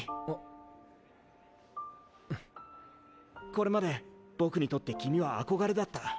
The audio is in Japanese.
これまで僕にとって君は憧れだった。